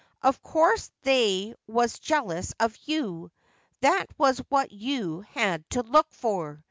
' Of course they was jealous of you. That was what you had to look for.